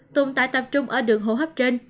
tồn tại tập trung ở đường hồ hấp trên